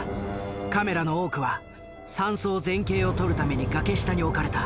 カメラの多くは山荘全景を撮るために崖下に置かれた。